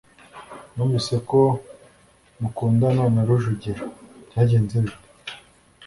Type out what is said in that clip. numvise ko mukundana na rujugiro. byagenze bite